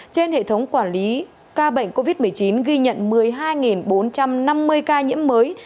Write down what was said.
trên hệ thống quản lý ca bệnh covid một mươi chín ghi nhận một mươi hai bốn trăm năm mươi ca nhiễm mới